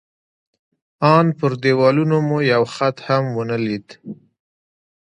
ان پر دېوالونو مو یو خط هم ونه لید.